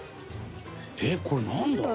えっこれなんだろう？